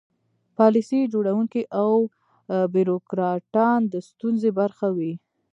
پالیسي جوړوونکي او بیروکراټان د ستونزې برخه وي.